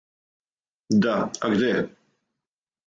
Да, а где?